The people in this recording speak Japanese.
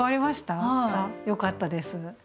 あっよかったです。